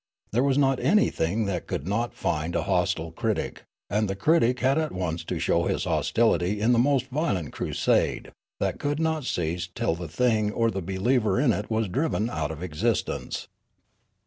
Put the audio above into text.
There was not anything that could not find a hostile critic, and the critic had at once to show his hostility in the most vio lent crusade, that could not cease till the thing or the believer in it was driven out of existence.